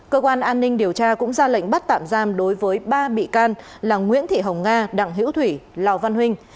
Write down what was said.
cơ quan an ninh điều tra cũng ra lệnh bắt tạm giam đối với ba bị can là nguyễn thị hồng nga đặng hiễu thủy lào văn huynh